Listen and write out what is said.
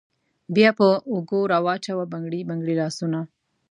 بیا په اوږو راوچوه بنګړي بنګړي لاسونه